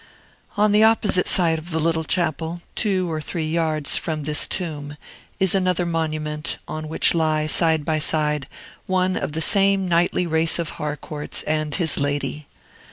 On the opposite side of the little chapel, two or three yards from this tomb, is another monument, on which lie, side by side, one of the same knightly race of Harcourts, and his lady.